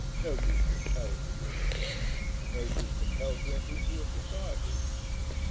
Nobody is compelled to be of the church, as nobody is compelled to enter into a society.'